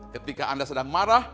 ketika anda sedang marah